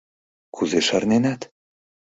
— Кузе шарненат?